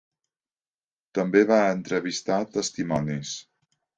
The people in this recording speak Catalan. També va entrevistar testimonis.